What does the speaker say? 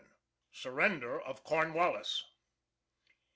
SURRENDER OF CORNWALLIS.